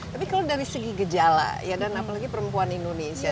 tapi kalau dari segi gejala ya dan apalagi perempuan indonesia